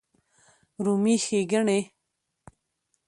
رومي ښېګڼې